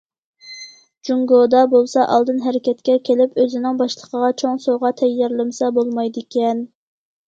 جۇڭگودا بولسا ئالدىن ھەرىكەتكە كېلىپ ئۆزىنىڭ باشلىقىغا چوڭ سوۋغا تەييارلىمىسا بولمايدىكەن.